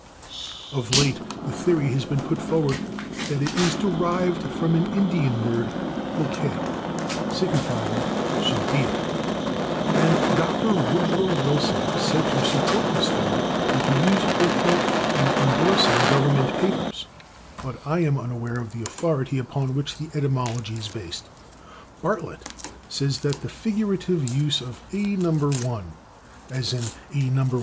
Of late the theory has been put forward that it is derived from an Indian word, /okeh/, signifying "so be it," and Dr. Woodrow Wilson is said to support this theory and to use /okeh/ in endorsing government papers, but I am unaware of the authority upon which the etymology is based. Bartlett says that the figurative use of /A No. 1/, as in /an A No.